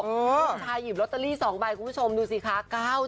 ผู้ชายหยิบลอตเตอรี่๒ใบคุณผู้ชมดูสิคะ